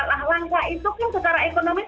langka itu kan secara ekonomi